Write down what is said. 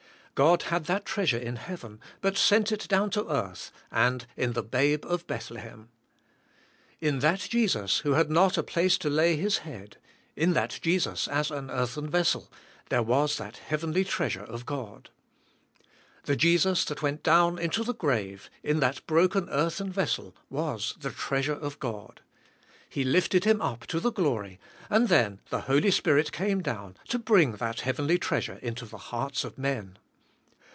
God had that treasure in heaven, but sent it down to earth, and in the Babe of Bethlehem. In that Jesus who had not a place to lay His head; in that Jesus as an earthen vessel, there was that heavenly treasure of God. The Jesus that went down into the grave, in that broken earthen vessel, was the treasure of God. He lifted Him up to the glory, and then the Holy Spirit came down to bring that heavenly treasure into the hearts of men.